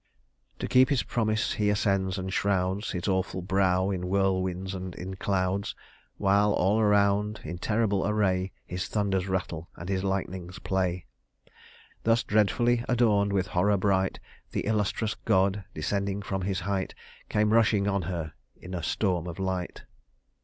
"To keep his promise he ascends, and shrouds His awful brow in whirlwinds and in clouds; Whilst all around, in terrible array, His thunders rattle, and his lightnings play. Thus dreadfully adorned with horror bright The illustrous god, descending from his height, Came rushing on her in a storm of light."